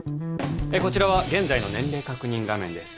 こちらは現在の年齢確認画面です